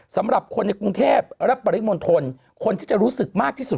สำหรับคนในกรุงเทพและปริมณฑลคนที่จะรู้สึกมากที่สุด